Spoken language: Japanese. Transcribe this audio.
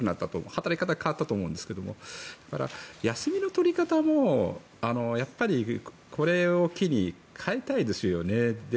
働き方は変わったと思うんですが休みの取り方もこれを機に変えたいですよね。